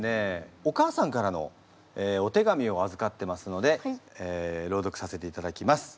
お母さんからのお手紙をあずかってますので朗読させていただきます。